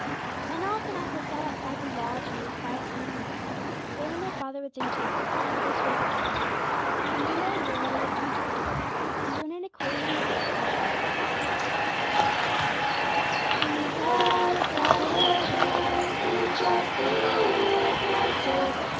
And often, as they sat outside the lodge in the quiet summer evenings, they and their father would sing together, 'Mother's favourite hymn,' and dear old grandmother would come to the door, and join in a quavering voice in the beautiful words: 'Jesus, I will trust Thee, trust Thee with my soul!